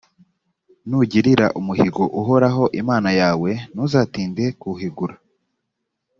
nugirira umuhigo uhoraho imana yawe, ntuzatinde kuwuhigura;